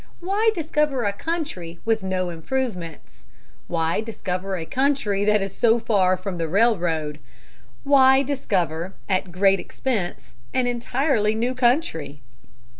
Why discover a country with no improvements? Why discover a country that is so far from the railroad? Why discover, at great expense, an entirely new country?